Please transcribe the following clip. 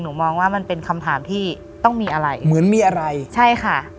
มองว่ามันเป็นคำถามที่ต้องมีอะไรเหมือนมีอะไรใช่ค่ะ